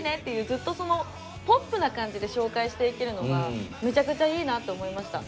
ずっとそのポップな感じで紹介していけるのがめちゃくちゃいいなって思いました。